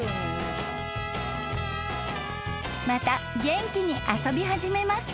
［また元気に遊び始めます］